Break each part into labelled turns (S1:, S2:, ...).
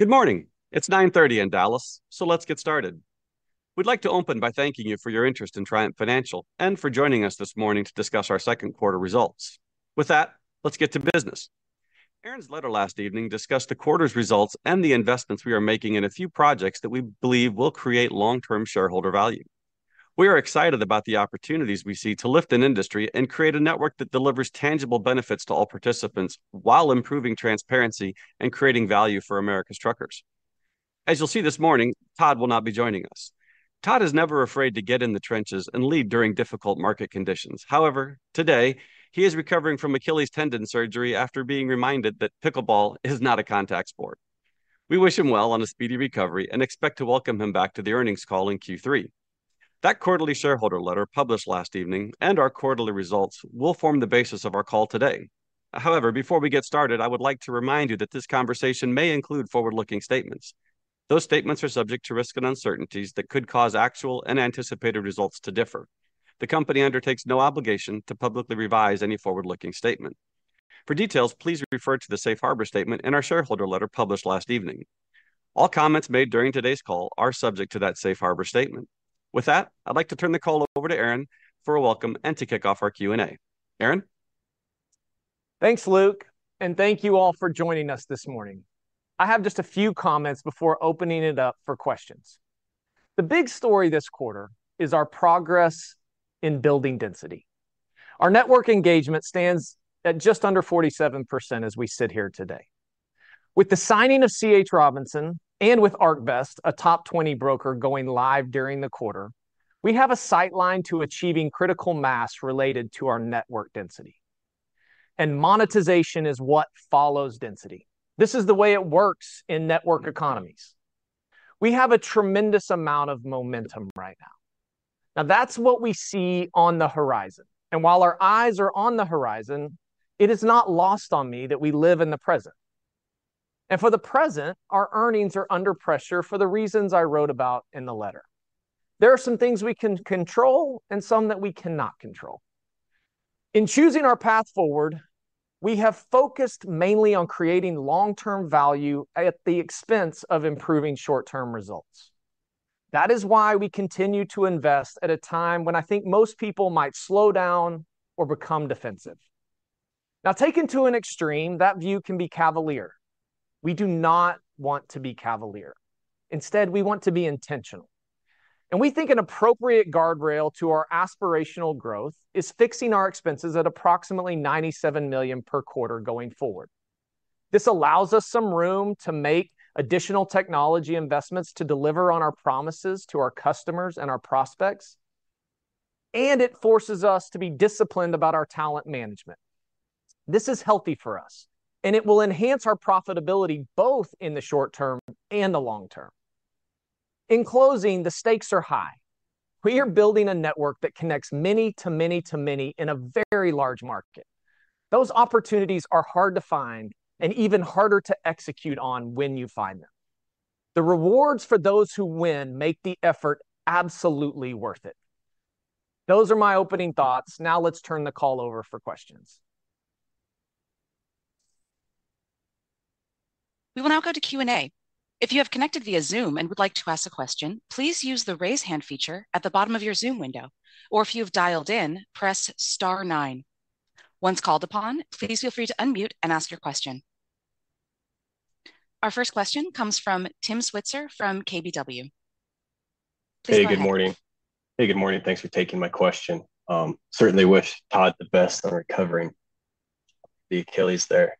S1: Good morning. It's 9:30 A.M. in Dallas, so let's get started. We'd like to open by thanking you for your interest in Triumph Financial and for joining us this morning to discuss our second quarter results. With that, let's get to business. Aaron's letter last evening discussed the quarter's results and the investments we are making in a few projects that we believe will create long-term shareholder value. We are excited about the opportunities we see to lift an industry and create a network that delivers tangible benefits to all participants while improving transparency and creating value for America's truckers. As you'll see this morning, Todd will not be joining us. Todd is never afraid to get in the trenches and lead during difficult market conditions. However, today, he is recovering from Achilles tendon surgery after being reminded that pickleball is not a contact sport. We wish him well on a speedy recovery and expect to welcome him back to the earnings call in Q3. That quarterly shareholder letter, published last evening, and our quarterly results will form the basis of our call today. However, before we get started, I would like to remind you that this conversation may include forward-looking statements. Those statements are subject to risks and uncertainties that could cause actual and anticipated results to differ. The company undertakes no obligation to publicly revise any forward-looking statement. For details, please refer to the safe harbor statement in our shareholder letter published last evening. All comments made during today's call are subject to that safe harbor statement. With that, I'd like to turn the call over to Aaron for a welcome and to kick off our Q&A. Aaron?
S2: Thanks, Luke, and thank you all for joining us this morning. I have just a few comments before opening it up for questions. The big story this quarter is our progress in building density. Our network engagement stands at just under 47% as we sit here today. With the signing of C.H. Robinson and with ArcBest, a top 20 broker, going live during the quarter, we have a sight line to achieving critical mass related to our network density, and monetization is what follows density. This is the way it works in network economies. We have a tremendous amount of momentum right now. Now, that's what we see on the horizon, and while our eyes are on the horizon, it is not lost on me that we live in the present. And for the present, our earnings are under pressure for the reasons I wrote about in the letter. There are some things we can control and some that we cannot control. In choosing our path forward, we have focused mainly on creating long-term value at the expense of improving short-term results. That is why we continue to invest at a time when I think most people might slow down or become defensive. Now, taken to an extreme, that view can be cavalier. We do not want to be cavalier. Instead, we want to be intentional, and we think an appropriate guardrail to our aspirational growth is fixing our expenses at approximately $97 million per quarter going forward. This allows us some room to make additional technology investments to deliver on our promises to our customers and our prospects, and it forces us to be disciplined about our talent management. This is healthy for us, and it will enhance our profitability both in the short term and the long term. In closing, the stakes are high. We are building a network that connects many to many to many in a very large market. Those opportunities are hard to find and even harder to execute on when you find them. The rewards for those who win make the effort absolutely worth it. Those are my opening thoughts. Now let's turn the call over for questions.
S3: We will now go to Q&A. If you have connected via Zoom and would like to ask a question, please use the Raise Hand feature at the bottom of your Zoom window, or if you have dialed in, press star nine. Once called upon, please feel free to unmute and ask your question. Our first question comes from Tim Switzer from KBW. Please go ahead.
S4: Hey, good morning. Hey, good morning, thanks for taking my question. Certainly wish Todd the best on recovering the Achilles there.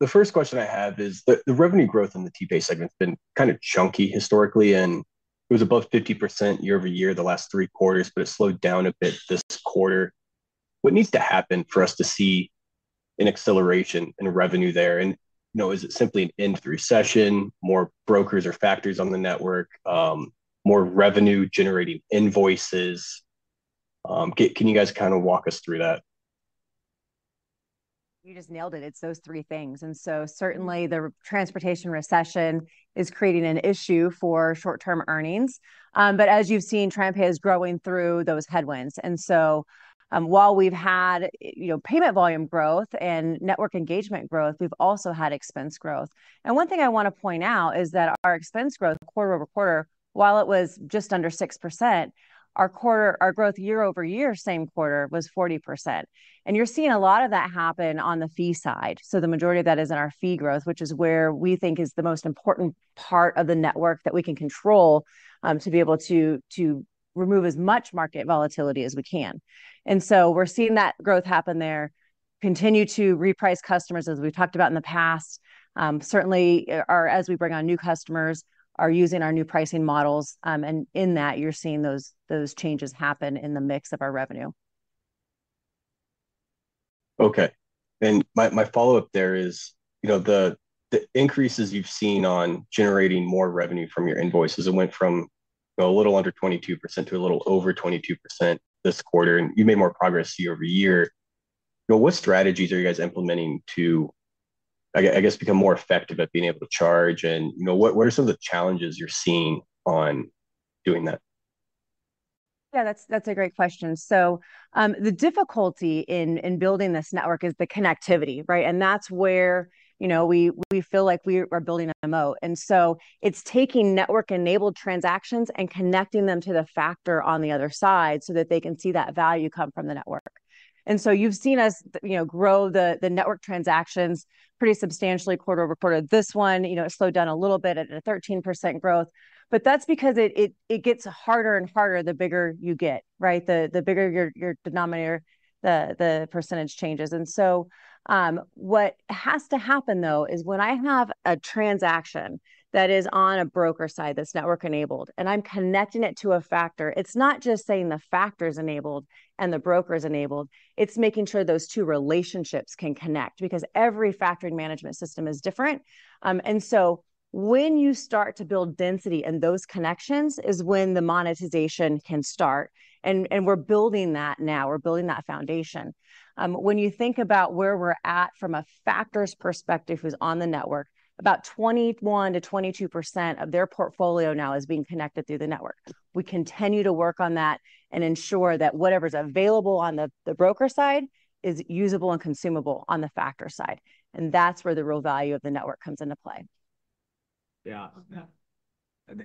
S4: The first question I have is the revenue growth in the TPay segment's been kind of chunky historically, and it was above 50% year-over-year the last three quarters, but it slowed down a bit this quarter. What needs to happen for us to see an acceleration in revenue there? And, you know, is it simply an industry recession, more brokers or factors on the network, more revenue-generating invoices? Can you guys kind of walk us through that?
S5: You just nailed it. It's those three things. And so certainly, the transportation recession is creating an issue for short-term earnings. But as you've seen, TriumphPay is growing through those headwinds. And so, while we've had, you know, payment volume growth and network engagement growth, we've also had expense growth. And one thing I want to point out is that our expense growth quarter-over-quarter, while it was just under 6%, our growth year-over-year, same quarter, was 40%, and you're seeing a lot of that happen on the fee side. So the majority of that is in our fee growth, which is where we think is the most important part of the network that we can control, to be able to, to remove as much market volatility as we can. And so we're seeing that growth happen there, continue to reprice customers, as we've talked about in the past. Certainly, our, as we bring on new customers, are using our new pricing models, and in that, you're seeing those, those changes happen in the mix of our revenue.
S4: Okay, and my follow-up there is, you know, the increases you've seen on generating more revenue from your invoices, it went from, you know, a little under 22% to a little over 22% this quarter, and you made more progress year-over-year. You know, what strategies are you guys implementing to, I guess, become more effective at being able to charge and, you know, what are some of the challenges you're seeing on doing that?
S5: Yeah, that's a great question. So, the difficulty in building this network is the connectivity, right? And that's where, you know, we feel like we are building a moat. And so it's taking network-enabled transactions and connecting them to the factor on the other side so that they can see that value come from the network. And so you've seen us, you know, grow the network transactions pretty substantially quarter-over-quarter. This one, you know, it slowed down a little bit at a 13% growth, but that's because it gets harder and harder the bigger you get, right? The bigger your denominator, the percentage changes. And so, what has to happen, though, is when I have a transaction that is on a broker side that's network-enabled, and I'm connecting it to a factor, it's not just saying the factor's enabled and the broker is enabled, it's making sure those two relationships can connect, because every factoring management system is different. And so when you start to build density in those connections is when the monetization can start, and, and we're building that now, we're building that foundation. When you think about where we're at from a factor's perspective who's on the network, about 21%-22% of their portfolio now is being connected through the network. We continue to work on that and ensure that whatever's available on the broker side is usable and consumable on the factor side, and that's where the real value of the network comes into play.
S2: Yeah. Yeah.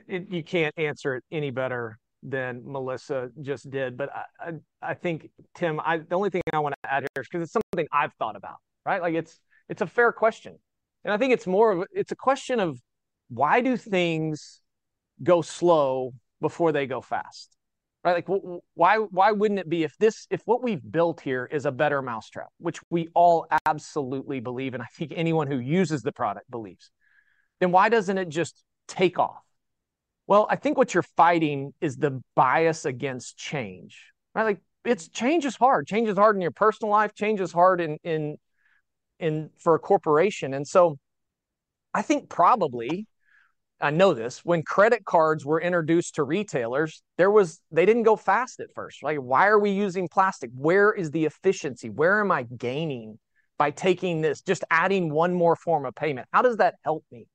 S2: You can't answer it any better than Melissa just did. But I think, Tim, the only thing I want to add here, 'cause it's something I've thought about, right? Like, it's a fair question, and I think it's more of a... It's a question of: Why do things go slow before they go fast, right? Like, why wouldn't it be if what we've built here is a better mousetrap, which we all absolutely believe, and I think anyone who uses the product believes, then why doesn't it just take off? Well, I think what you're fighting is the bias against change, right? Like, change is hard. Change is hard in your personal life, change is hard in for a corporation. So I think probably, I know this, when credit cards were introduced to retailers, there was... They didn't go fast at first. Like, "Why are we using plastic? Where is the efficiency? Where am I gaining by taking this, just adding one more form of payment? How does that help me?"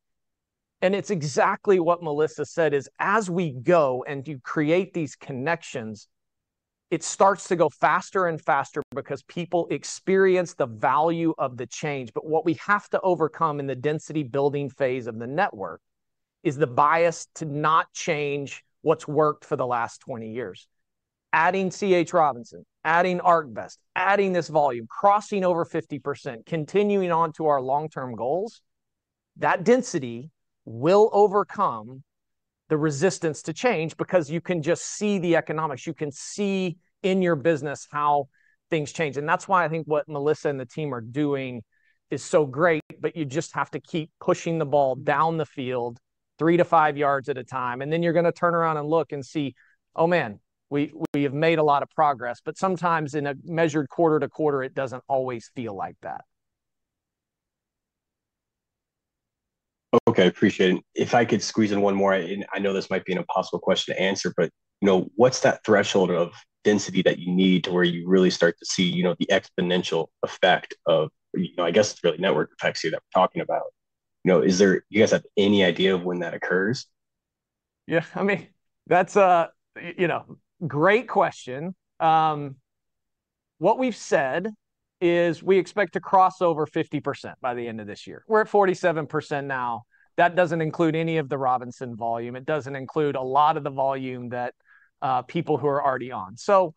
S2: And it's exactly what Melissa said, is as we go and you create these connections, it starts to go faster and faster because people experience the value of the change. But what we have to overcome in the density-building phase of the network is the bias to not change what's worked for the last 20 years. Adding C.H. Robinson, adding ArcBest, adding this volume, crossing over 50%, continuing on to our long-term goals, that density will overcome the resistance to change because you can just see the economics, you can see in your business how things change. And that's why I think what Melissa and the team are doing is so great, but you just have to keep pushing the ball down the field three to five yards at a time, and then you're going to turn around and look and see, "Oh, man, we have made a lot of progress." But sometimes in a measured quarter to quarter, it doesn't always feel like that.
S4: Okay, appreciate it. If I could squeeze in one more, and I know this might be an impossible question to answer, but, you know, what's that threshold of density that you need to where you really start to see, you know, the exponential effect of, you know, I guess the really network effects here that we're talking about? You know, is there- do you guys have any idea of when that occurs?
S2: Yeah, I mean, that's a, you know, great question. What we've said is we expect to cross over 50% by the end of this year. We're at 47% now. That doesn't include any of the Robinson volume. It doesn't include a lot of the volume that people who are already on. So,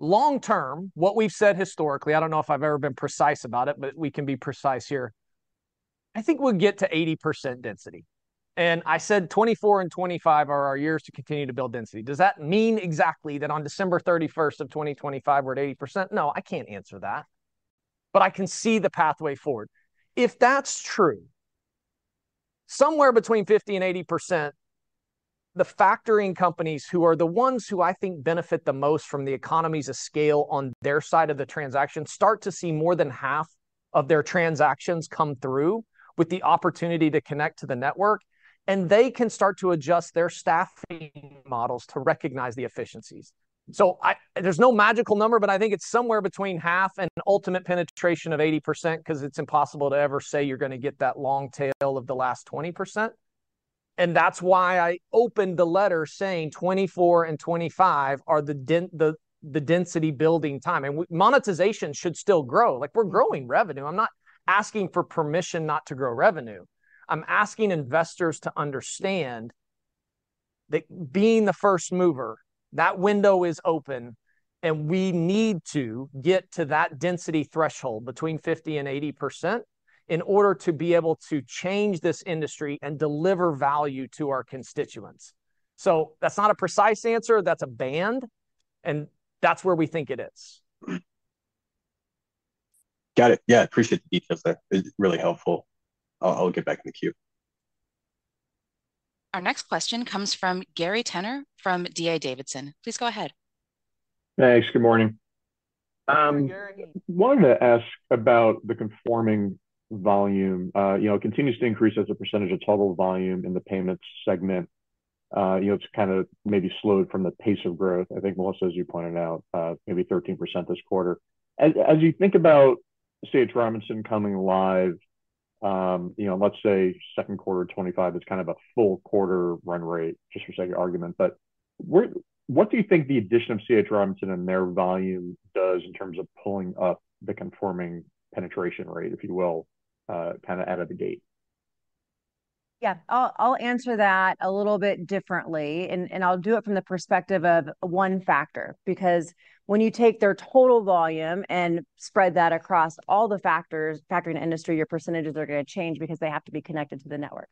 S2: long term, what we've said historically, I don't know if I've ever been precise about it, but we can be precise here, I think we'll get to 80% density. And I said 2024 and 2025 are our years to continue to build density. Does that mean exactly that on December 31st of 2025 we're at 80%? No, I can't answer that, but I can see the pathway forward. If that's true, somewhere between 50%-80%, the factoring companies, who are the ones who I think benefit the most from the economies of scale on their side of the transaction, start to see more than half of their transactions come through with the opportunity to connect to the network, and they can start to adjust their staffing models to recognize the efficiencies. So there's no magical number, but I think it's somewhere between half and ultimate penetration of 80%, 'cause it's impossible to ever say you're going to get that long tail of the last 20%. And that's why I opened the letter saying 2024 and 2025 are the density-building time. And monetization should still grow. Like, we're growing revenue. I'm not asking for permission not to grow revenue. I'm asking investors to understand that being the first mover, that window is open, and we need to get to that density threshold between 50% and 80% in order to be able to change this industry and deliver value to our constituents. So that's not a precise answer, that's a band, and that's where we think it is.
S4: Got it. Yeah, appreciate the details there. It's really helpful. I'll, I'll get back in the queue.
S3: Our next question comes from Gary Tenner from D.A. Davidson. Please go ahead.
S6: Thanks. Good morning.
S5: Good morning.
S6: Wanted to ask about the conforming volume. You know, it continues to increase as a percentage of total volume in the payments segment. You know, it's kind of maybe slowed from the pace of growth, I think, Melissa, as you pointed out, maybe 13% this quarter. As you think about C.H. Robinson coming live, you know, let's say second quarter 2025 is kind of a full quarter run rate, just for sake of argument. But what do you think the addition of C.H. Robinson and their volume does in terms of pulling up the conforming penetration rate, if you will, kind of out of the gate?
S5: Yeah, I'll, I'll answer that a little bit differently, and, and I'll do it from the perspective of one factor, because when you take their total volume and spread that across all the factors, factoring industry, your percentages are gonna change because they have to be connected to the network.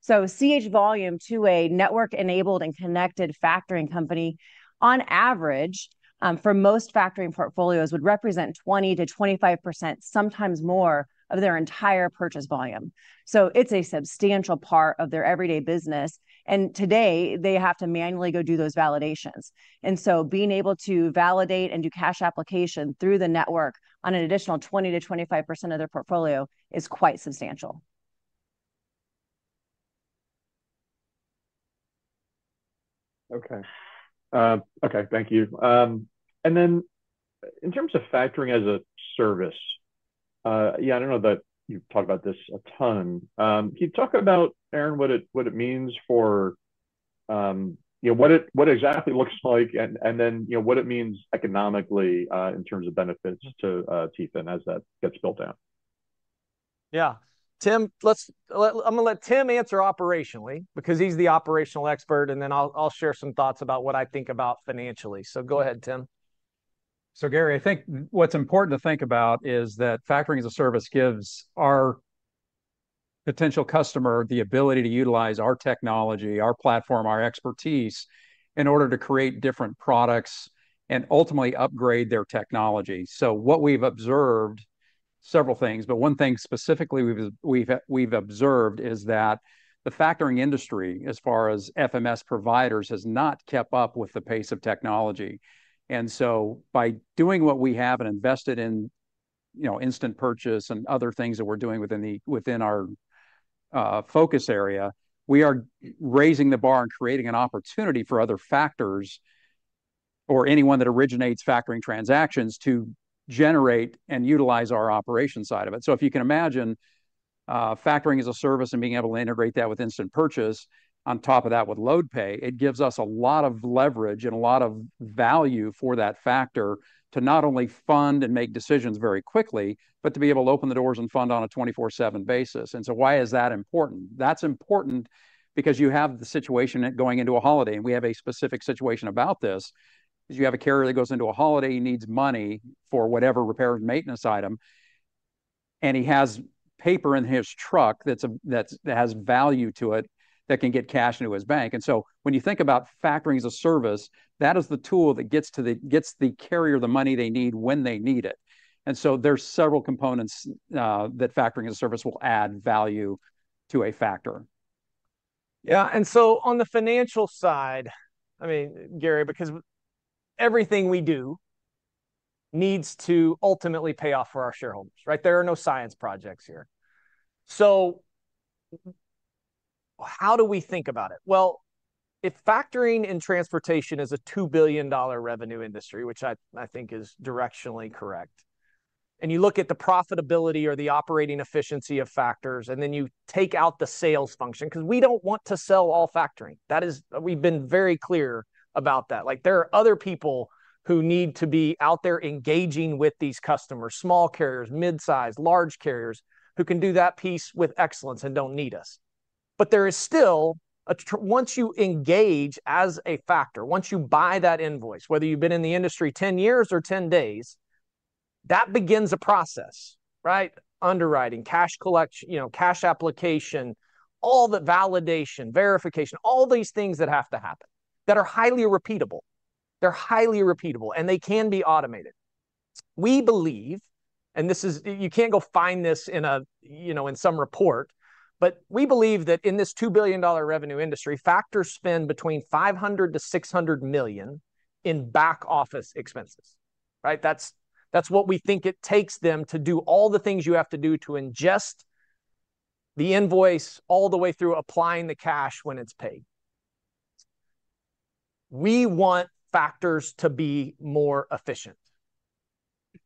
S5: So C.H. volume to a network-enabled and connected factoring company, on average, for most factoring portfolios, would represent 20%-25%, sometimes more, of their entire purchase volume. So it's a substantial part of their everyday business, and today they have to manually go do those validations. And so being able to validate and do cash application through the network on an additional 20%-25% of their portfolio is quite substantial.
S6: Okay. Okay, thank you. And then in terms of Factoring as a Service, yeah, I don't know that you've talked about this a ton. Can you talk about, Aaron, what it, what it means for, you know, what it, what exactly it looks like, and, and then, you know, what it means economically, in terms of benefits to, Triumph as that gets built out?
S2: Yeah. Tim, I'm gonna let Tim answer operationally, because he's the operational expert, and then I'll, I'll share some thoughts about what I think about financially. So go ahead, Tim.
S7: So, Gary, I think what's important to think about is that Factoring as a Service gives our potential customer the ability to utilize our technology, our platform, our expertise, in order to create different products and ultimately upgrade their technology. So what we've observed, several things, but one thing specifically we've observed is that the factoring industry, as far as FMS providers, has not kept up with the pace of technology. And so by doing what we have and invested in, you know, instant purchase and other things that we're doing within our focus area, we are raising the bar and creating an opportunity for other factors, or anyone that originates factoring transactions, to generate and utilize our operations side of it. So if you can imagine, Factoring as a Service and being able to integrate that with instant purchase, on top of that with LoadPay, it gives us a lot of leverage and a lot of value for that factor to not only fund and make decisions very quickly, but to be able to open the doors and fund on a 24/7 basis. And so why is that important? That's important because you have the situation going into a holiday, and we have a specific situation about this, is you have a carrier that goes into a holiday, he needs money for whatever repair and maintenance item, and he has paper in his truck that's that has value to it, that can get cash into his bank. And so when you think about Factoring as a Service, that is the tool that gets the carrier the money they need when they need it. And so there's several components that Factoring as a Service will add value to a factor.
S2: Yeah, and so on the financial side, I mean, Gary, because everything we do needs to ultimately pay off for our shareholders, right? There are no science projects here. So how do we think about it? Well, if factoring in transportation is a $2 billion revenue industry, which I, I think is directionally correct, and you look at the profitability or the operating efficiency of factors, and then you take out the sales function, 'cause we don't want to sell all factoring. That is, we've been very clear about that. Like, there are other people who need to be out there engaging with these customers, small carriers, mid-size, large carriers, who can do that piece with excellence and don't need us. But there is still, once you engage as a factor, once you buy that invoice, whether you've been in the industry 10 years or 10 days, that begins a process, right? Underwriting, cash you know, cash application, all the validation, verification, all these things that have to happen, that are highly repeatable. They're highly repeatable, and they can be automated. We believe, and this is... you can't go find this in a, you know, in some report, but we believe that in this $2 billion revenue industry, factors spend between $500 million-$600 million in back office expenses, right? That's, that's what we think it takes them to do all the things you have to do to ingest the invoice all the way through applying the cash when it's paid. We want factors to be more efficient.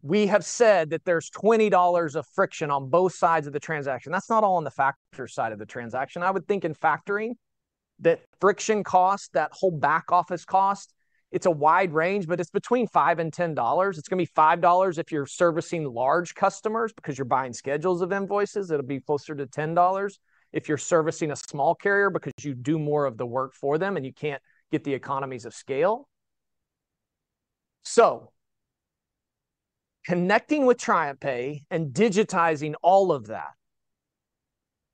S2: We have said that there's $20 of friction on both sides of the transaction. That's not all on the factor side of the transaction. I would think in factoring, that friction cost, that whole back office cost, it's a wide range, but it's between $5 and $10. It's gonna be $5 if you're servicing large customers, because you're buying schedules of invoices. It'll be closer to $10 if you're servicing a small carrier, because you do more of the work for them, and you can't get the economies of scale. So connecting with TriumphPay and digitizing all of that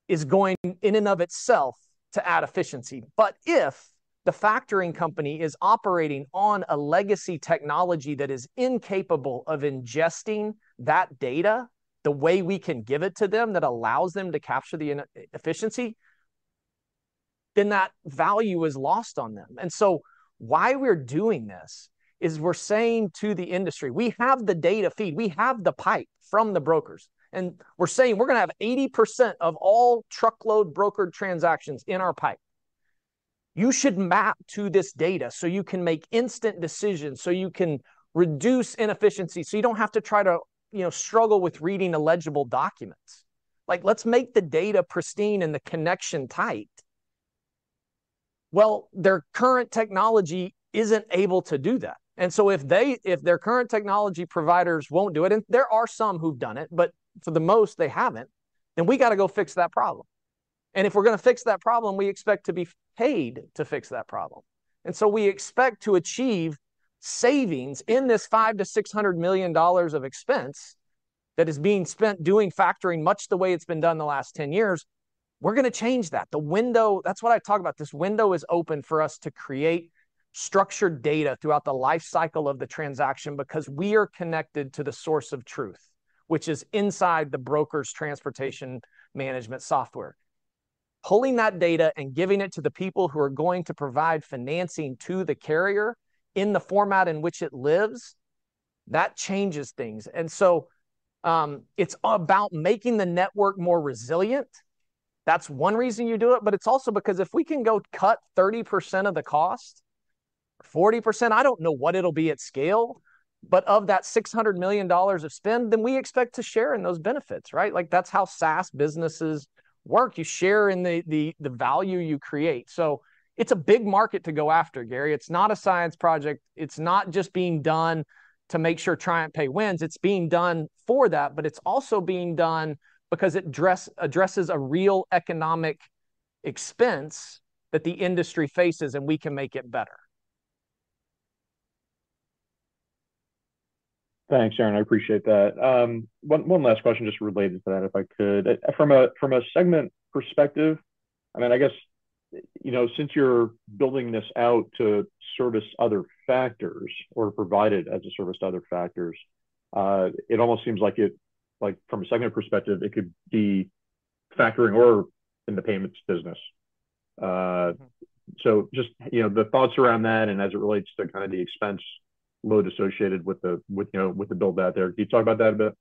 S2: is going in and of itself to add efficiency. But if the factoring company is operating on a legacy technology that is incapable of ingesting that data the way we can give it to them, that allows them to capture the inefficiency, then that value is lost on them. And so why we're doing this is we're saying to the industry, "We have the data feed, we have the pipe from the brokers," and we're saying, "We're gonna have 80% of all truckload brokered transactions in our pipe."... you should map to this data so you can make instant decisions, so you can reduce inefficiency, so you don't have to try to, you know, struggle with reading illegible documents. Like, let's make the data pristine and the connection tight. Well, their current technology isn't able to do that, and so if their current technology providers won't do it, and there are some who've done it, but for the most, they haven't, then we gotta go fix that problem. And if we're gonna fix that problem, we expect to be paid to fix that problem. And so we expect to achieve savings in this $500 million-$600 million of expense that is being spent doing factoring much the way it's been done in the last 10 years. We're gonna change that. The window... That's what I talk about. This window is open for us to create structured data throughout the life cycle of the transaction because we are connected to the source of truth, which is inside the broker's transportation management software. Pulling that data and giving it to the people who are going to provide financing to the carrier in the format in which it lives, that changes things. And so, it's about making the network more resilient. That's one reason you do it, but it's also because if we can go cut 30% of the cost, 40%, I don't know what it'll be at scale, but of that $600 million of spend, then we expect to share in those benefits, right? Like, that's how SaaS businesses work. You share in the, the, the value you create. So it's a big market to go after, Gary. It's not a science project. It's not just being done to make sure TriumphPay wins, it's being done for that, but it's also being done because it addresses a real economic expense that the industry faces, and we can make it better.
S6: Thanks, Aaron, I appreciate that. One last question just related to that, if I could. From a segment perspective, I mean, I guess, you know, since you're building this out to service other factors or provide it as a service to other factors, it almost seems like it, like from a segment perspective, it could be factoring or in the payments business. So just, you know, the thoughts around that and as it relates to kind of the expense load associated with the, you know, with the build-out there. Can you talk about that a bit?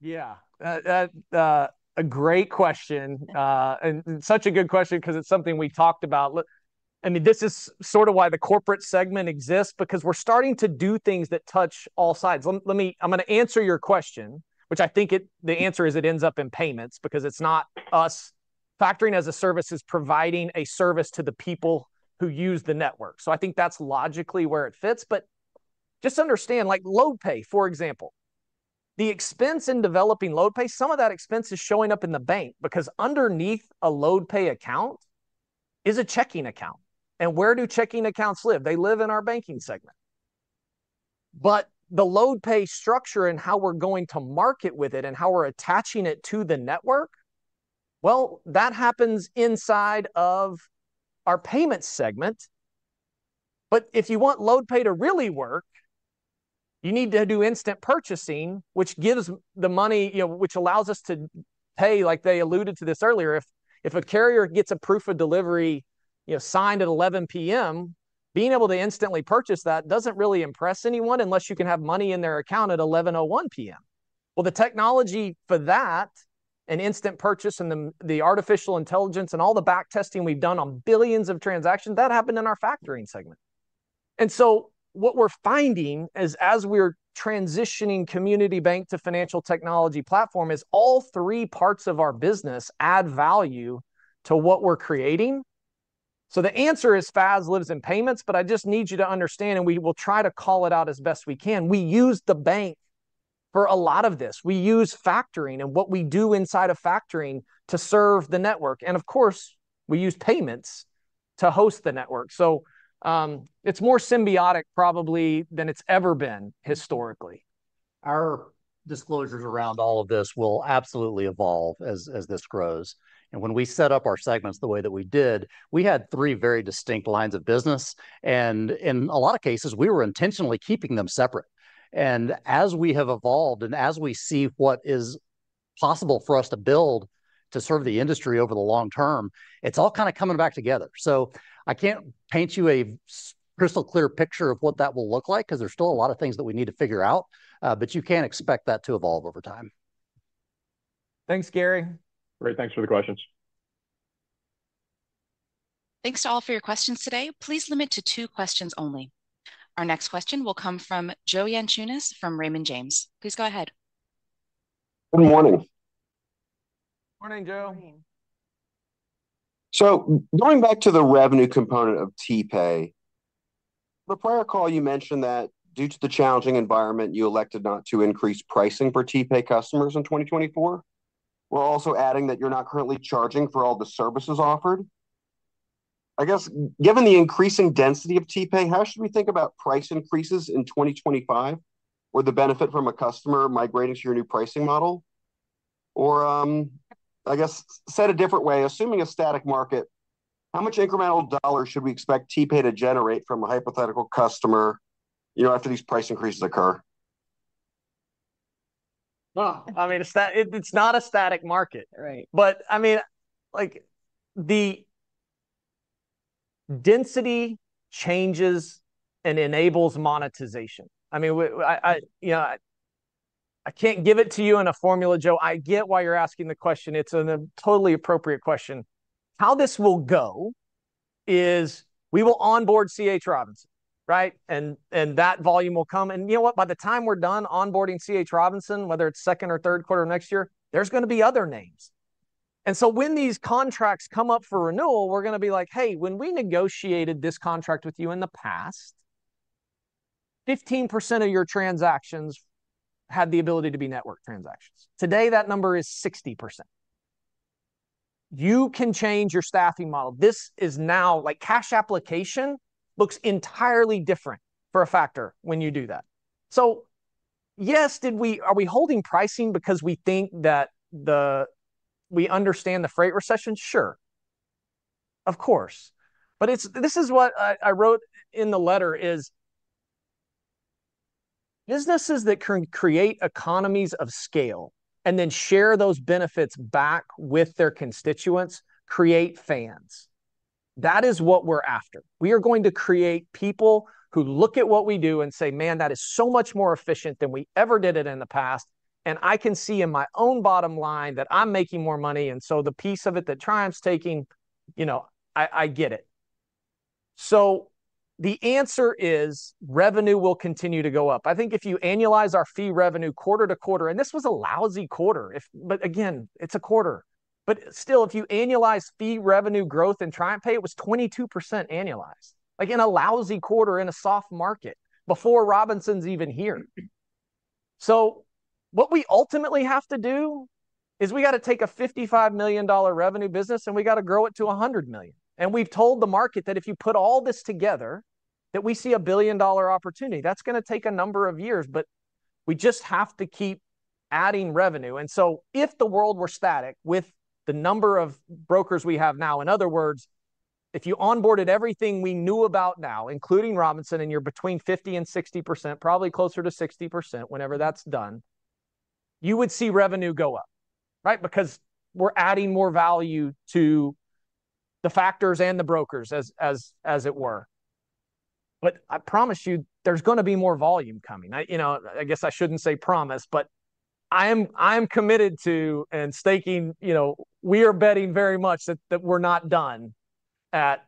S2: Yeah. That, that, a great question, and such a good question 'cause it's something we talked about. Look, I mean, this is sort of why the corporate segment exists, because we're starting to do things that touch all sides. Let, let me... I'm gonna answer your question, which I think it- the answer is it ends up in payments because it's not us. Factoring as a service is providing a service to the people who use the network, so I think that's logically where it fits. But just understand, like LoadPay, for example, the expense in developing LoadPay, some of that expense is showing up in the bank because underneath a LoadPay account is a checking account. And where do checking accounts live? They live in our banking segment. But the LoadPay structure and how we're going to market with it and how we're attaching it to the network, well, that happens inside of our payment segment. But if you want LoadPay to really work, you need to do instant purchasing, which gives the money, you know, which allows us to pay, like they alluded to this earlier. If a carrier gets a proof of delivery, you know, signed at 11:00 P.M., being able to instantly purchase that doesn't really impress anyone unless you can have money in their account at 11:01 P.M. Well, the technology for that, an instant purchase, and the artificial intelligence and all the back testing we've done on billions of transactions, that happened in our factoring segment. So what we're finding is, as we're transitioning community bank to financial technology platform, is all three parts of our business add value to what we're creating. So the answer is Fast lives in payments, but I just need you to understand, and we will try to call it out as best we can, we use the bank for a lot of this. We use factoring and what we do inside of factoring to serve the network, and of course, we use payments to host the network. So, it's more symbiotic probably than it's ever been historically.
S8: Our disclosures around all of this will absolutely evolve as this grows. When we set up our segments the way that we did, we had three very distinct lines of business, and in a lot of cases, we were intentionally keeping them separate. As we have evolved and as we see what is possible for us to build to serve the industry over the long term, it's all kind of coming back together. I can't paint you a crystal-clear picture of what that will look like, 'cause there's still a lot of things that we need to figure out, but you can expect that to evolve over time.
S2: Thanks, Gary.
S6: Great. Thanks for the questions.
S3: Thanks to all for your questions today. Please limit to two questions only. Our next question will come from Joe Yanchunis from Raymond James. Please go ahead.
S9: Good morning.
S2: Morning, Joe.
S5: Morning.
S9: So going back to the revenue component of TPay, the prior call, you mentioned that due to the challenging environment, you elected not to increase pricing for TPay customers in 2024. We're also adding that you're not currently charging for all the services offered. I guess, given the increasing density of TPay, how should we think about price increases in 2025, or the benefit from a customer migrating to your new pricing model? Or, I guess, said a different way, assuming a static market, how much incremental dollars should we expect TPay to generate from a hypothetical customer, you know, after these price increases occur?
S2: Well, I mean, it's not a static market.
S5: Right.
S2: But I mean, like, the density changes and enables monetization. I mean, you know, I can't give it to you in a formula, Joe. I get why you're asking the question. It's a totally appropriate question. How this will go is we will onboard C.H. Robinson, right? And that volume will come, and you know what? By the time we're done onboarding C.H. Robinson, whether it's second or third quarter of next year, there's gonna be other names. And so when these contracts come up for renewal, we're gonna be like: "Hey, when we negotiated this contract with you in the past, 15% of your transactions had the ability to be network transactions. Today, that number is 60%. You can change your staffing model." This is now, like, cash application looks entirely different for a factor when you do that. So, yes, did we- are we holding pricing because we think that the- we understand the freight recession? Sure. Of course. But it's- this is what I, I wrote in the letter is, businesses that can create economies of scale and then share those benefits back with their constituents, create fans. That is what we're after. We are going to create people who look at what we do and say, "Man, that is so much more efficient than we ever did it in the past, and I can see in my own bottom line that I'm making more money, and so the piece of it that Triumph's taking, you know, I, I get it." So the answer is, revenue will continue to go up. I think if you annualize our fee revenue quarter to quarter... And this was a lousy quarter if- but again, it's a quarter. But still, if you annualize fee revenue growth in TriumphPay, it was 22% annualized, like in a lousy quarter in a soft market, before Robinson's even here. So what we ultimately have to do is we gotta take a $55 million revenue business, and we gotta grow it to $100 million. And we've told the market that if you put all this together, that we see a billion-dollar opportunity. That's gonna take a number of years, but we just have to keep adding revenue. And so if the world were static with the number of brokers we have now, in other words, if you onboarded everything we knew about now, including Robinson, and you're between 50% and 60%, probably closer to 60% whenever that's done, you would see revenue go up, right? Because we're adding more value to the factors and the brokers, as, as, as it were. But I promise you, there's gonna be more volume coming. I, you know, I guess I shouldn't say promise, but I'm, I'm committed to and you know, we are betting very much that, that we're not done at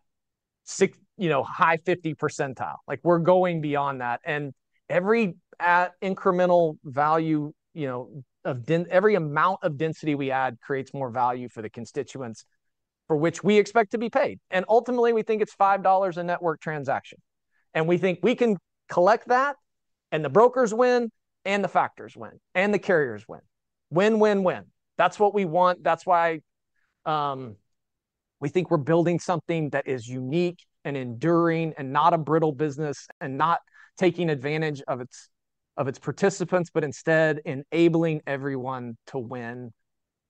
S2: 60, you know, high 50 percentile. Like, we're going beyond that, and every incremental value, you know, of every amount of density we add creates more value for the constituents, for which we expect to be paid. And ultimately, we think it's $5 a network transaction, and we think we can collect that, and the brokers win, and the factors win, and the carriers win. Win, win, win. That's what we want. That's why, we think we're building something that is unique, and enduring, and not a brittle business, and not taking advantage of its, of its participants, but instead enabling everyone to win,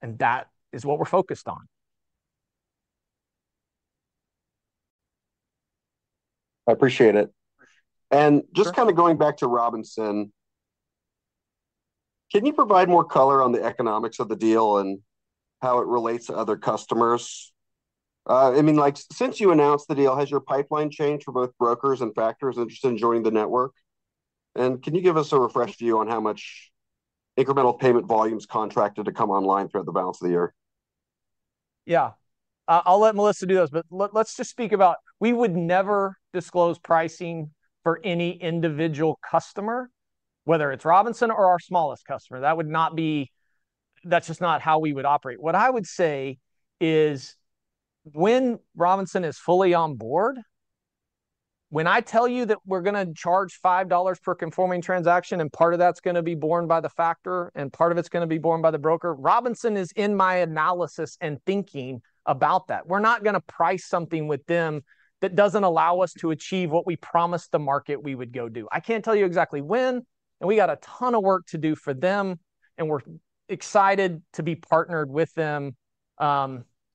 S2: and that is what we're focused on.
S9: I appreciate it.
S2: Sure.
S9: Just kinda going back to C.H. Robinson, can you provide more color on the economics of the deal and how it relates to other customers? I mean, like, since you announced the deal, has your pipeline changed for both brokers and factors interested in joining the network? Can you give us a refresh view on how much incremental payment volume's contracted to come online throughout the balance of the year?
S2: Yeah. I, I'll let Melissa do those, but let, let's just speak about, we would never disclose pricing for any individual customer, whether it's Robinson or our smallest customer. That would not be—that's just not how we would operate. What I would say is when Robinson is fully on board, when I tell you that we're gonna charge $5 per conforming transaction, and part of that's gonna be borne by the factor and part of it's gonna be borne by the broker, Robinson is in my analysis and thinking about that. We're not gonna price something with them that doesn't allow us to achieve what we promised the market we would go do. I can't tell you exactly when, and we got a ton of work to do for them, and we're excited to be partnered with them.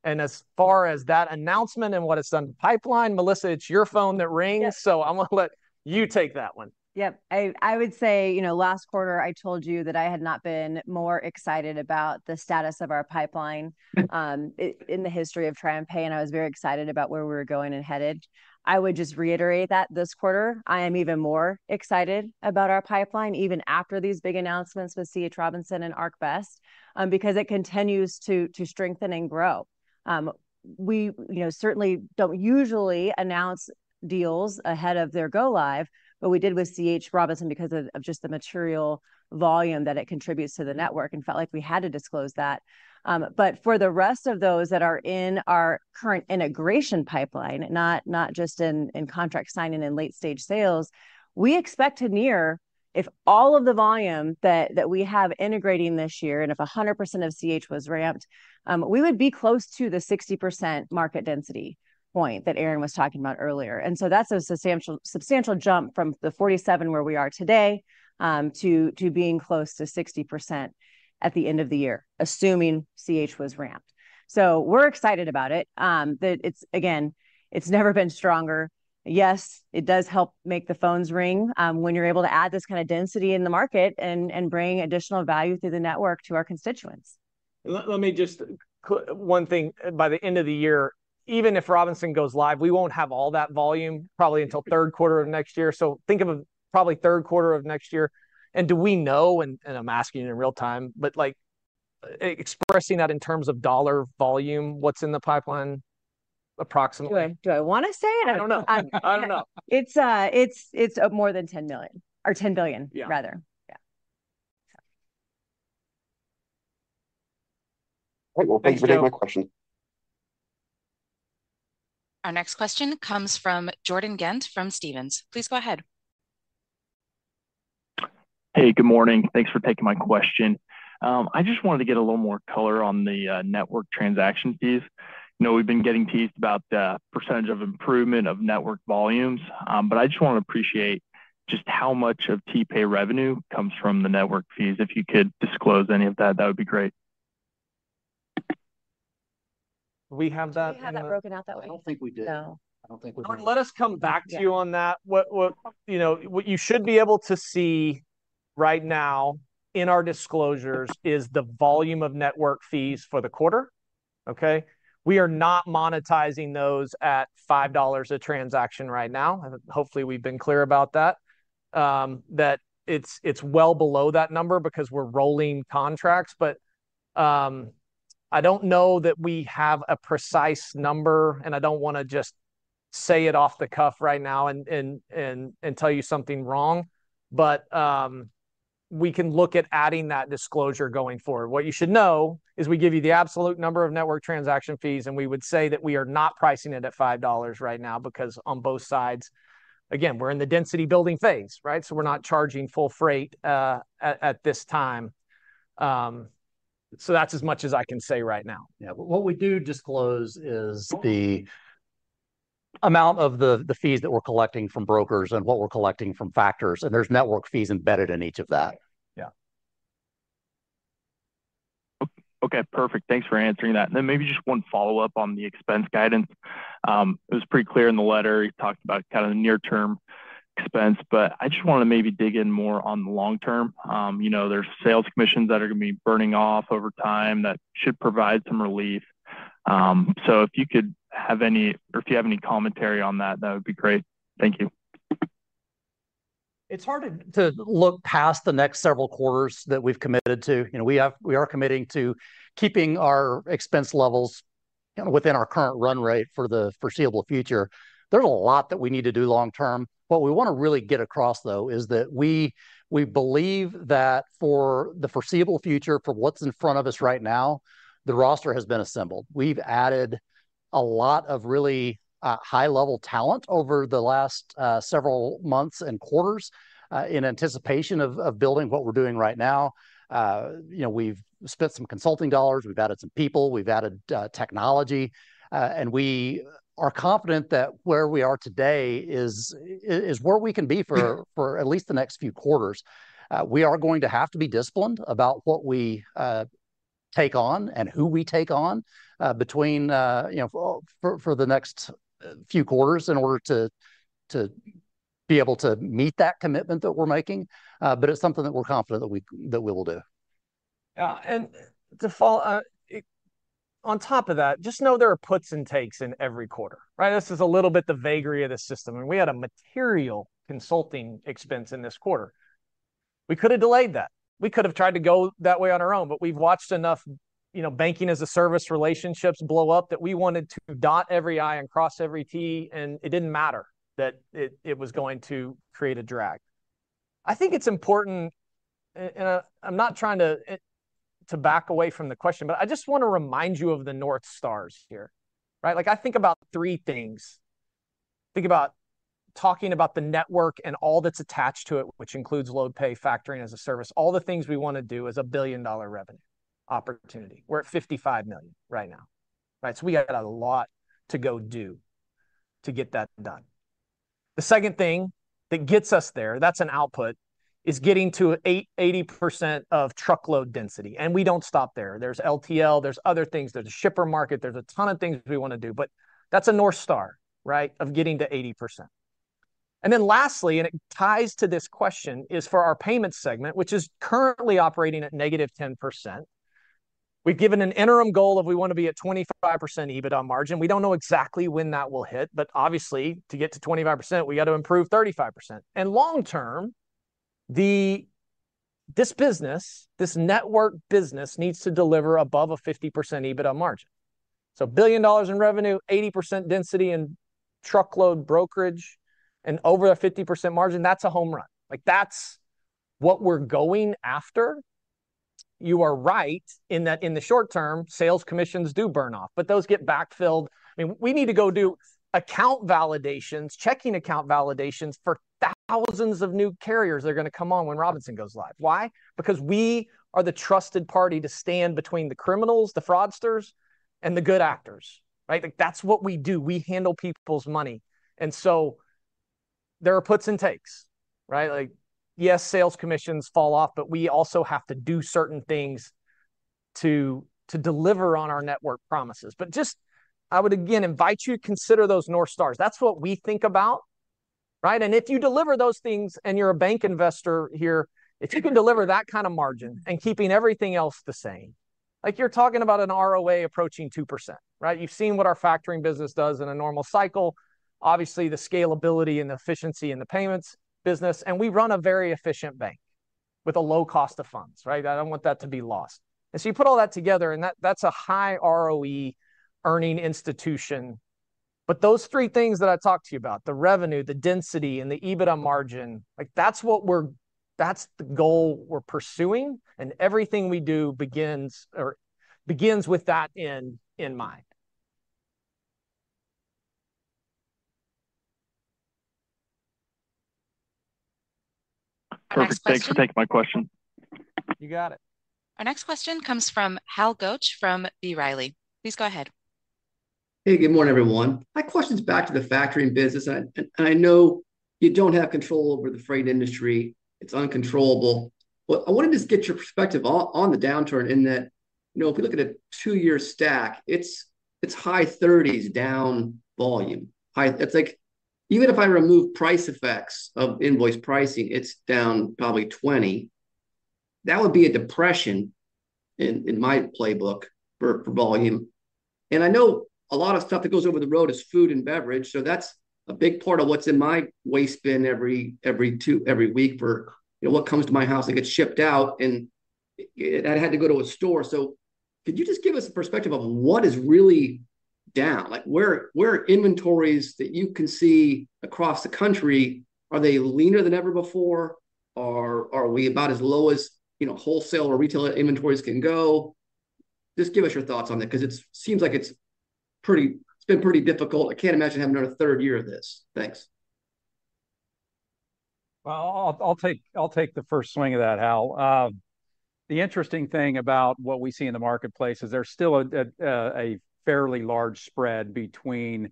S2: As far as that announcement and what it's done to the pipeline, Melissa, it's your phone that rings-
S5: Yep.
S2: I'm gonna let you take that one.
S5: Yep. I would say, you know, last quarter, I told you that I had not been more excited about the status of our pipeline in the history of TriumphPay, and I was very excited about where we were going and headed. I would just reiterate that this quarter, I am even more excited about our pipeline, even after these big announcements with C.H. Robinson and ArcBest, because it continues to strengthen and grow. We, you know, certainly don't usually announce deals ahead of their go-live, but we did with C.H. Robinson because of just the material volume that it contributes to the network and felt like we had to disclose that. But for the rest of those that are in our current integration pipeline, not just in contract signing and late-stage sales, we expect to near, if all of the volume that we have integrating this year, and if 100% of C.H. was ramped, we would be close to the 60% market density point that Aaron was talking about earlier. And so that's a substantial, substantial jump from the 47, where we are today, to being close to 60% at the end of the year, assuming C.H. was ramped. So we're excited about it. The, it's, again, it's never been stronger. Yes, it does help make the phones ring, when you're able to add this kind of density in the market and bring additional value through the network to our constituents.
S2: Let me just say one thing, by the end of the year, even if Robinson goes live, we won't have all that volume probably until third quarter of next year. So think of it probably third quarter of next year. And do we know, and I'm asking you in real time, but like expressing that in terms of dollar volume, what's in the pipeline approximately?
S5: Do I, do I wanna say it?
S2: I don't know. I don't know.
S5: It's more than $10 million, or $10 billion.
S2: Yeah
S5: Rather. Yeah, so.
S9: All right. Well, thanks for taking my question.
S3: Our next question comes from Jordan Ghent from Stephens. Please go ahead.
S10: Hey, good morning. Thanks for taking my question. I just wanted to get a little more color on the network transaction fees. I know we've been getting teased about the percentage of improvement of network volumes, but I just wanna appreciate just how much of TPay revenue comes from the network fees. If you could disclose any of that, that would be great.
S2: Do we have that.
S5: Do we have that broken out that way?
S8: I don't think we do.
S5: No.
S8: I don't think we do.
S2: Jordan, let us come back to you on that. You know, what you should be able to see right now in our disclosures is the volume of network fees for the quarter, okay? We are not monetizing those at $5 a transaction right now, and hopefully we've been clear about that, that it's well below that number because we're rolling contracts. But, I don't know that we have a precise number, and I don't wanna just say it off the cuff right now and tell you something wrong. But, we can look at adding that disclosure going forward. What you should know is we give you the absolute number of network transaction fees, and we would say that we are not pricing it at $5 right now, because on both sides, again, we're in the density building phase, right? So we're not charging full freight at this time. So that's as much as I can say right now.
S8: Yeah. But what we do disclose is the amount of the fees that we're collecting from brokers and what we're collecting from factors, and there's network fees embedded in each of that.
S2: Yeah.
S10: Okay, perfect. Thanks for answering that. And then maybe just one follow-up on the expense guidance. It was pretty clear in the letter, you talked about kind of the near-term expense, but I just wanted to maybe dig in more on the long term. You know, there's sales commissions that are gonna be burning off over time that should provide some relief. So if you could have any... or if you have any commentary on that, that would be great. Thank you.
S8: It's hard to look past the next several quarters that we've committed to. You know, we are committing to keeping our expense levels, kind of, within our current run rate for the foreseeable future. There's a lot that we need to do long term. What we wanna really get across, though, is that we, we believe that for the foreseeable future, for what's in front of us right now, the roster has been assembled. We've added a lot of really high-level talent over the last several months and quarters in anticipation of building what we're doing right now. You know, we've spent some consulting dollars, we've added some people, we've added technology, and we are confident that where we are today is where we can be for-
S10: Yeah
S8: For at least the next few quarters. We are going to have to be disciplined about what we take on and who we take on, between, you know, for the next few quarters in order to be able to meet that commitment that we're making. But it's something that we're confident that we will do.
S2: Yeah, and to follow on top of that, just know there are puts and takes in every quarter, right? This is a little bit the vagary of the system, and we had a material consulting expense in this quarter. We could have delayed that. We could have tried to go that way on our own, but we've watched enough, you know, banking-as-a-service relationships blow up, that we wanted to dot every I and cross every T, and it didn't matter that it was going to create a drag. I think it's important, and I'm not trying to back away from the question, but I just wanna remind you of the North Stars here, right? Like, I think about three things. Think about talking about the network and all that's attached to it, which includes LoadPay, factoring as a service, all the things we wanna do as a billion-dollar revenue opportunity. We're at $55 million right now, right? So we got a lot to go do to get that done. The second thing that gets us there, that's an output, is getting to 80% of truckload density. And we don't stop there. There's LTL, there's other things, there's a shipper market, there's a ton of things we wanna do, but that's a North Star, right, of getting to 80%. And then lastly, and it ties to this question, is for our payment segment, which is currently operating at -10%. We've given an interim goal of we want to be at 25% EBITDA margin. We don't know exactly when that will hit, but obviously, to get to 25%, we've got to improve 35%. And long term, this business, this network business, needs to deliver above a 50% EBITDA margin. So $1 billion in revenue, 80% density in truckload brokerage, and over a 50% margin, that's a home run. Like, that's what we're going after. You are right, in that in the short term, sales commissions do burn off, but those get backfilled. I mean, we need to go do account validations, checking account validations for thousands of new carriers that are gonna come on when Robinson goes live. Why? Because we are the trusted party to stand between the criminals, the fraudsters, and the good actors, right? Like, that's what we do. We handle people's money. And so there are puts and takes, right? Like, yes, sales commissions fall off, but we also have to do certain things to deliver on our network promises. But just, I would again invite you to consider those North Stars. That's what we think about, right? And if you deliver those things, and you're a bank investor here, if you can deliver that kind of margin and keeping everything else the same, like, you're talking about an ROA approaching 2%, right? You've seen what our factoring business does in a normal cycle. Obviously, the scalability and the efficiency in the payments business, and we run a very efficient bank with a low cost of funds, right? I don't want that to be lost. And so you put all that together, and that, that's a high ROE-earning institution. But those three things that I talked to you about, the revenue, the density, and the EBITDA margin, like, that's what we're—that's the goal we're pursuing, and everything we do begins, or begins with that end in mind.
S10: Perfect. Next question. Thanks for taking my question.
S2: You got it.
S3: Our next question comes from Hal Goetsch from B. Riley. Please go ahead.
S11: Hey, good morning, everyone. My question's back to the factoring business, and I know you don't have control over the freight industry. It's uncontrollable. But I wanted to just get your perspective on the downturn in that, you know, if you look at a two-year stack, it's high 30s down volume. It's like, even if I remove price effects of invoice pricing, it's down probably 20. That would be a depression in my playbook for volume. And I know a lot of stuff that goes over the road is food and beverage, so that's a big part of what's in my waste bin every two weeks for, you know, what comes to my house that gets shipped out, and it... I had to go to a store. So could you just give us a perspective of what is really down? Like, where, where are inventories that you can see across the country, are they leaner than ever before? Or are we about as low as, you know, wholesale or retail inventories can go? Just give us your thoughts on that, 'cause it's, seems like it's pretty, it's been pretty difficult. I can't imagine having another third year of this. Thanks.
S7: Well, I'll take the first swing at that, Hal. The interesting thing about what we see in the marketplace is there's still a fairly large spread between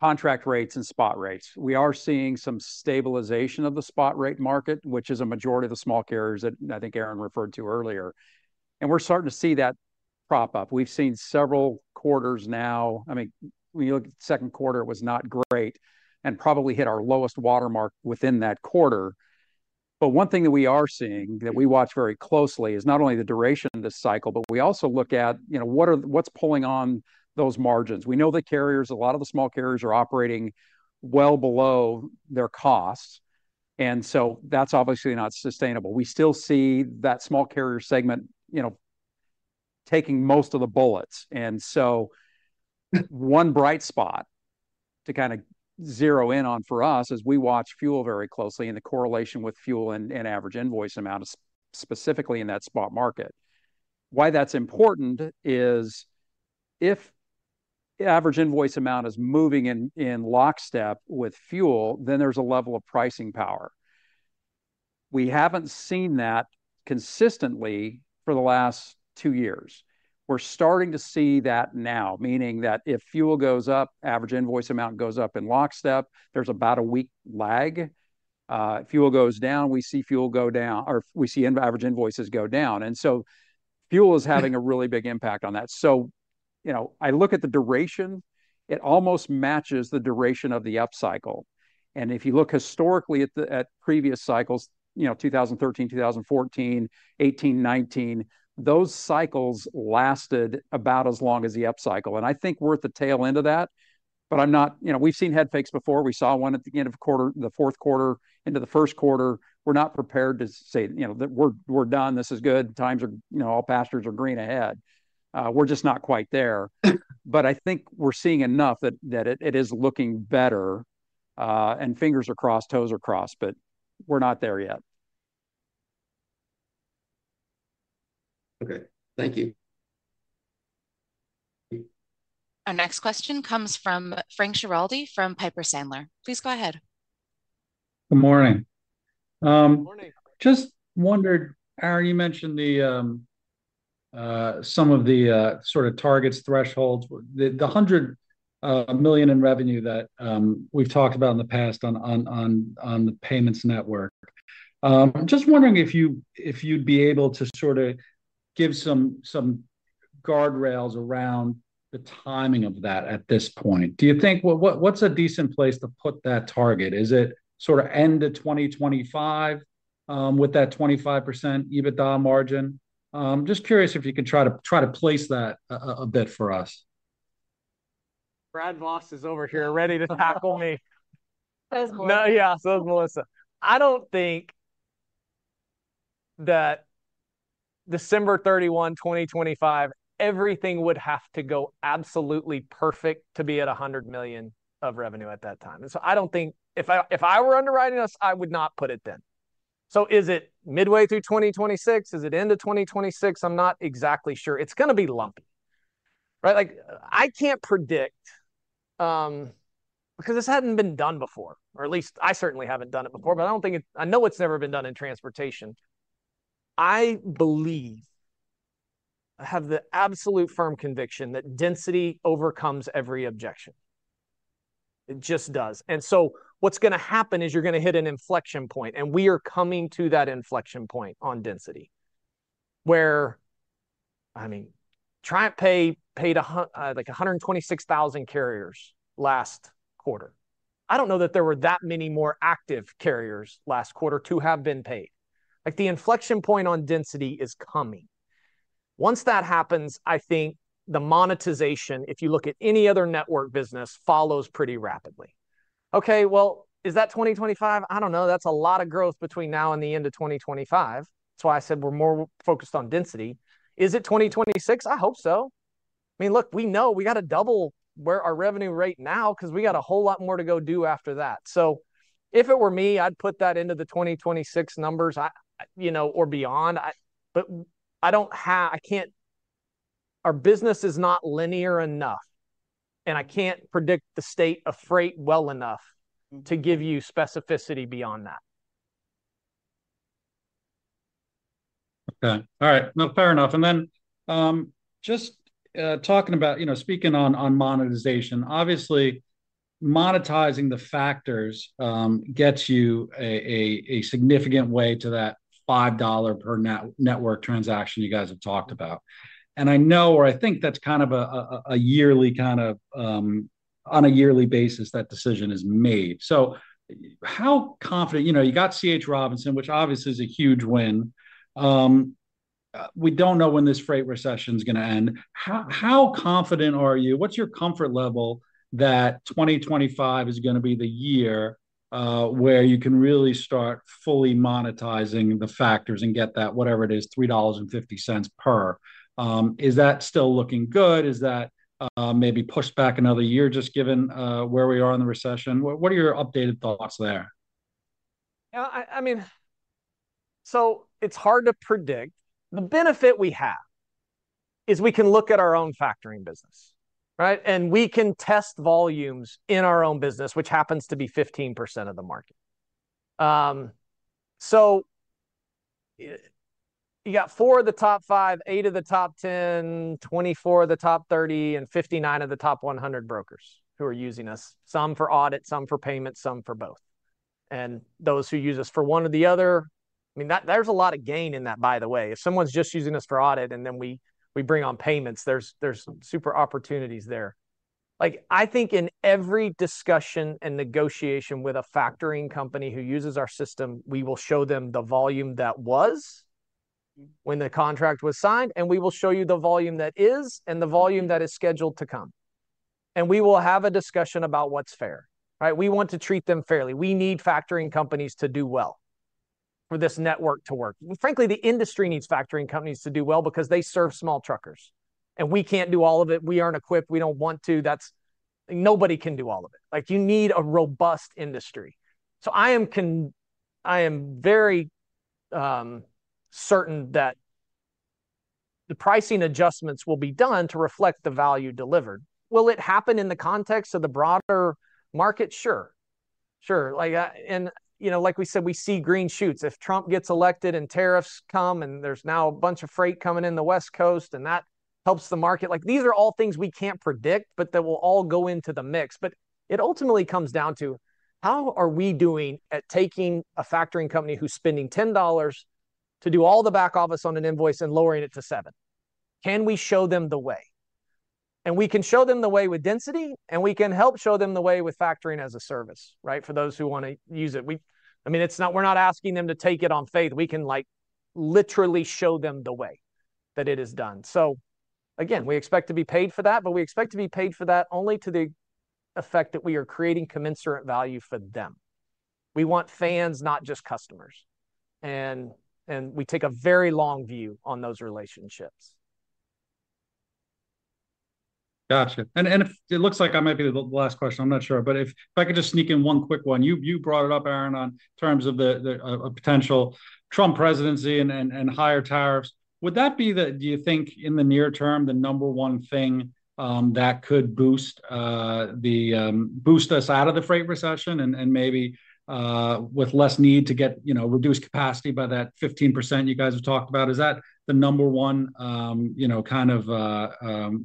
S7: contract rates and spot rates. We are seeing some stabilization of the spot rate market, which is a majority of the small carriers that I think Aaron referred to earlier, and we're starting to see that prop up. We've seen several quarters now. I mean, when you look at the second quarter, it was not great, and probably hit our lowest watermark within that quarter. But one thing that we are seeing, that we watch very closely, is not only the duration of this cycle, but we also look at, you know, what's pulling on those margins? We know that carriers, a lot of the small carriers, are operating well below their costs, and so that's obviously not sustainable. We still see that small carrier segment, you know, taking most of the bullets. And so one bright spot to kind of zero in on for us is we watch fuel very closely, and the correlation with fuel and average invoice amount is specifically in that spot market. Why that's important is if the average invoice amount is moving in lockstep with fuel, then there's a level of pricing power. We haven't seen that consistently for the last two years. We're starting to see that now, meaning that if fuel goes up, average invoice amount goes up in lockstep. There's about a week lag. If fuel goes down, we see fuel go down, or we see average invoices go down, and so fuel is having a really big impact on that. So, you know, I look at the duration, it almost matches the duration of the upcycle. And if you look historically at the, at previous cycles, you know, 2013, 2014, 2018, 2019, those cycles lasted about as long as the upcycle. And I think we're at the tail end of that, but I'm not... You know, we've seen head fakes before. We saw one at the end of quarter, the fourth quarter into the first quarter. We're not prepared to say, you know, that "We're done. This is good. Times are... You know, all pastures are green ahead." We're just not quite there. But I think we're seeing enough that it is looking better. Fingers are crossed, toes are crossed, but we're not there yet.
S11: Okay. Thank you.
S3: Our next question comes from Frank Schiraldi from Piper Sandler. Please go ahead.
S12: Good morning.
S2: Good morning.
S12: Just wondered, Aaron, you mentioned the some of the sort of targets, thresholds, where... The the hundred million in revenue that we've talked about in the past on the payments network. Just wondering if you, if you'd be able to sort of give some some guardrails around the timing of that at this point. Do you think... What's a decent place to put that target? Is it sort of end of 2025, with that 25% EBITDA margin? Just curious if you could try to place that a bit for us.
S2: Brad Voss is over here ready to tackle me.
S8: So is Melissa.
S2: No, yeah, so is Melissa. I don't think that December 31, 2025, everything would have to go absolutely perfect to be at $100 million of revenue at that time. And so I don't think... If I, if I were underwriting us, I would not put it then. So is it midway through 2026? Is it end of 2026? I'm not exactly sure. It's gonna be lumpy, right? Like, I can't predict, because this hadn't been done before, or at least I certainly haven't done it before, but I don't think it- I know it's never been done in transportation. I believe, I have the absolute firm conviction, that density overcomes every objection. It just does. And so what's gonna happen is you're gonna hit an inflection point, and we are coming to that inflection point on density, where. I mean, TriumphPay paid, like, 126,000 carriers last quarter. I don't know that there were that many more active carriers last quarter to have been paid. Like, the inflection point on density is coming. Once that happens, I think the monetization, if you look at any other network business, follows pretty rapidly. Okay, well, is that 2025? I don't know. That's a lot of growth between now and the end of 2025. That's why I said we're more focused on density. Is it 2026? I hope so. I mean, look, we know we gotta double where our revenue rate now, 'cause we got a whole lot more to go do after that. So if it were me, I'd put that into the 2026 numbers, you know, or beyond. But I don't... I can't. Our business is not linear enough, and I can't predict the state of freight well enough-
S12: Mm
S2: To give you specificity beyond that.
S12: Okay. All right. No, fair enough. And then, just, talking about, you know, speaking on, on monetization, obviously, monetizing the factors, gets you a, a, a significant way to that $5 per network transaction you guys have talked about. And I know, or I think that's kind of a, a, a yearly kind of... On a yearly basis, that decision is made. So how confident—you know, you got C.H. Robinson, which obviously is a huge win. We don't know when this freight recession's gonna end. How confident are you? What's your comfort level that 2025 is gonna be the year, where you can really start fully monetizing the factors and get that, whatever it is, $3.50 per? Is that still looking good? Is that, maybe pushed back another year, just given, where we are in the recession? What, what are your updated thoughts there?
S2: Yeah, I mean... So it's hard to predict. The benefit we have is we can look at our own factoring business, right? And we can test volumes in our own business, which happens to be 15% of the market. You got four of the top five, eight of the top 10, 24 of the top 30, and 59 of the top 100 brokers who are using us, some for audit, some for payment, some for both. And those who use us for one or the other, I mean, there's a lot of gain in that, by the way. If someone's just using us for audit, and then we bring on payments, there's super opportunities there. Like, I think in every discussion and negotiation with a factoring company who uses our system, we will show them the volume that was-
S12: Mm
S2: When the contract was signed, and we will show you the volume that is, and the volume that is scheduled to come. We will have a discussion about what's fair, right? We want to treat them fairly. We need factoring companies to do well for this network to work. Frankly, the industry needs factoring companies to do well because they serve small truckers, and we can't do all of it. We aren't equipped. We don't want to. That's nobody can do all of it. Like, you need a robust industry. So I am very certain that the pricing adjustments will be done to reflect the value delivered. Will it happen in the context of the broader market? Sure, sure. Like, and you know, like we said, we see green shoots. If Trump gets elected, and tariffs come, and there's now a bunch of freight coming in the West Coast, and that helps the market. Like, these are all things we can't predict, but that will all go into the mix. But it ultimately comes down to: How are we doing at taking a factoring company who's spending $10 to do all the back office on an invoice and lowering it to $7? Can we show them the way? And we can show them the way with density, and we can help show them the way with factoring as a service, right, for those who wanna use it. I mean, it's not - we're not asking them to take it on faith. We can, like, literally show them the way that it is done. So again, we expect to be paid for that, but we expect to be paid for that only to the effect that we are creating commensurate value for them. We want fans, not just customers, and, and we take a very long view on those relationships.
S12: Gotcha. And if it looks like I might be the last question, I'm not sure. But if I could just sneak in one quick one. You brought it up, Aaron, on terms of the potential Trump presidency and higher tariffs. Would that be, do you think, in the near term, the number one thing that could boost us out of the freight recession and maybe with less need to get, you know, reduced capacity by that 15% you guys have talked about? Is that the number one, you know, kind of,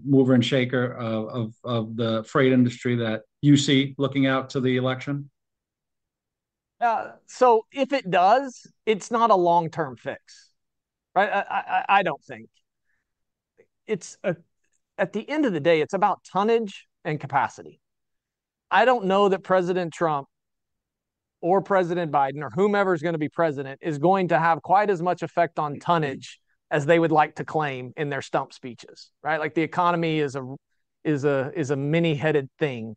S12: mover and shaker of the freight industry that you see looking out to the election?
S2: So if it does, it's not a long-term fix, right? I don't think. It's at the end of the day, it's about tonnage and capacity. I don't know that President Trump or President Biden, or whomever is gonna be president, is going to have quite as much effect on tonnage as they would like to claim in their stump speeches, right? Like, the economy is a many-headed thing.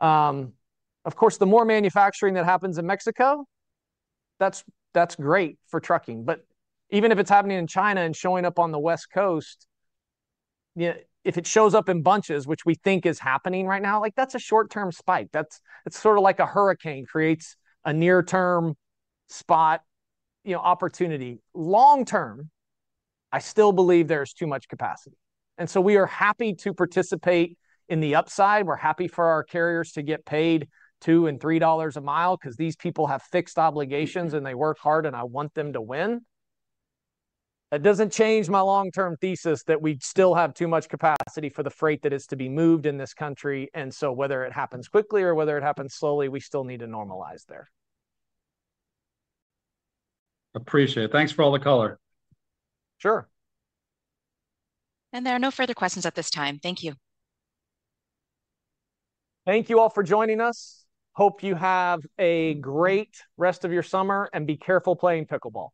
S2: Of course, the more manufacturing that happens in Mexico, that's great for trucking. But even if it's happening in China and showing up on the West Coast, yeah, if it shows up in bunches, which we think is happening right now, like, that's a short-term spike. It's sort of like a hurricane, creates a near-term spot, you know, opportunity. Long-term, I still believe there is too much capacity, and so we are happy to participate in the upside. We're happy for our carriers to get paid $2 and $3 a mile, 'cause these people have fixed obligations, and they work hard, and I want them to win. That doesn't change my long-term thesis that we still have too much capacity for the freight that is to be moved in this country, and so whether it happens quickly or whether it happens slowly, we still need to normalize there.
S12: Appreciate it. Thanks for all the color.
S2: Sure.
S3: There are no further questions at this time. Thank you.
S2: Thank you all for joining us. Hope you have a great rest of your summer, and be careful playing pickleball.